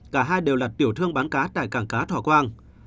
cả hai đều là tiểu thương bán cá tại cảng cá thọ quang